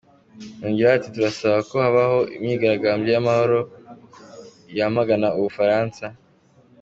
Yongeraho ati “Turasaba ko habaho imyigaragambyo y’amahoro yamagana u Bufaransa.